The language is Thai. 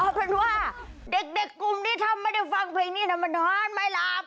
เอาเพราะว่าเด็กกลุ่มที่ทำไมไม่ฟังเพลงนี้ทำไมมันนอนไม่หลาบ